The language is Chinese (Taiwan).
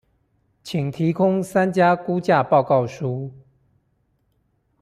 請提供三家估價報告書